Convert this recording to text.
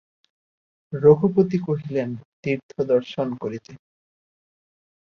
রঘুপতি কহিলেন, তীর্থদর্শন করিতে।